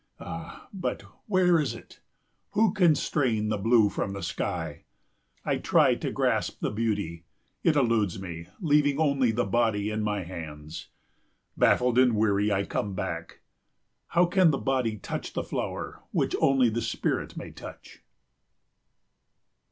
Ah, but, where is it? Who can strain the blue from the sky? I try to grasp the beauty, it eludes me, leaving only the body in my hands. Baffled and weary I come back. How can the body touch the flower which only the spirit may touch?